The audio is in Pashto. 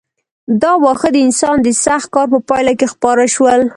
دا واښه د انسان د سخت کار په پایله کې خپاره شول.